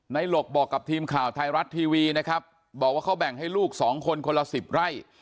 หลกบอกกับทีมข่าวไทยรัฐทีวีนะครับบอกว่าเขาแบ่งให้ลูกสองคนคนละสิบไร่